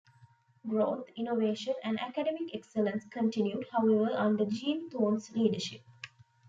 Growth, innovation, and academic excellence continued, however, under Gene Thorn's leadership.